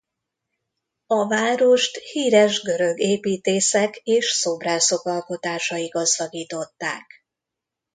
A várost híres görög építészek és szobrászok alkotásai gazdagították.